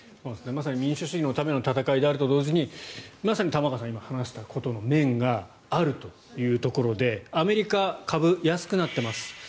まさに民主主義のための戦いであると同時にまさに玉川さんが今、話したことの面があるということでアメリカ、株、安くなってます。